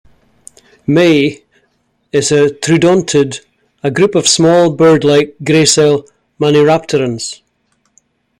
"Mei" is a troodontid, a group of small, bird-like, gracile maniraptorans.